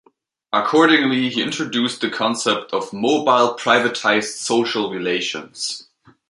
Accordingly, he introduced the concept of "mobile privatised social relations".